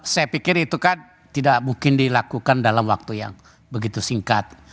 saya pikir itu kan tidak mungkin dilakukan dalam waktu yang begitu singkat